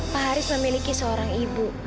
pak haris memiliki seorang ibu